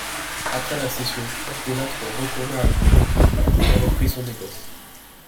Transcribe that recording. Après la session, Delattre retourna à Abbeville, et y reprit son négoce.